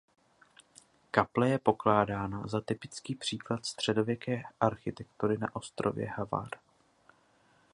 Kaple je pokládána za typický příklad středověké architektury na ostrově Hvar.